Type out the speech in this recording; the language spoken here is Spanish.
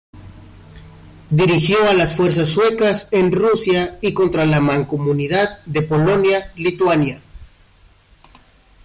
Dirigió a las fuerzas suecas en Rusia y contra la Mancomunidad de Polonia-Lituania.